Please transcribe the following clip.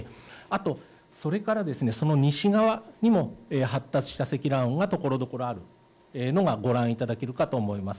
あとそれから、その西側にも発達した積乱雲がところどころあるのがご覧いただけるかと思います。